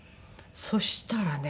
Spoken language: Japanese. そしたらね